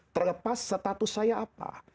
terlepas status saya apa